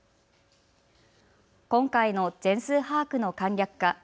今回の全数把握の簡略化。